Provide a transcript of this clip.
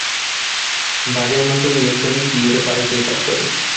বাগের মতো, ইলেকট্রনিক কীয়েরও পাশ দিয়ে কাজ করে।